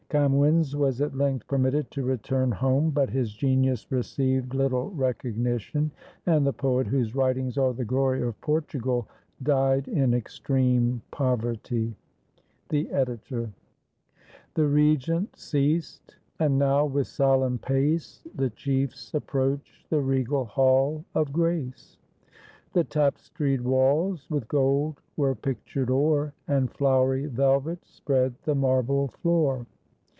Camoens was at length permitted to return home, but his genius received little recognition, and the poet whose writings are the glory of Portugal died in extreme poverty. The Editor.] The Regent ceased; and now with solemn pace The chiefs approach the regal hall of grace. The tap'stried walls with gold were pictured o'er. And flowery velvet spread the marble floor.